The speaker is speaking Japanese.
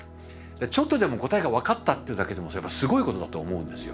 ちょっとでも答えが分かったっていうだけでもすごいことだと思うんですよ。